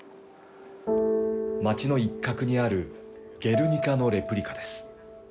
街の一角にあるゲルニカのレプリカです。